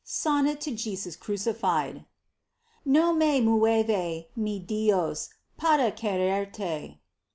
SONNET TO JESUS CRUCIFIED. No me mueve, mi Dios, para quererte.